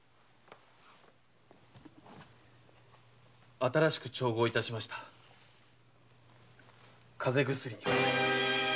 新しく調合致しました風邪薬でございます。